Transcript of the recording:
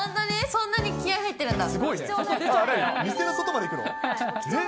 そんなに気合い入ってるんだ。